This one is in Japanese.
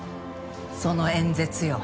その演説よ。